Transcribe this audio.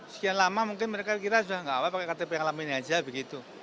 sekian lama mungkin mereka kira sudah enggak apa apa pakai kartu pengalaman ini aja begitu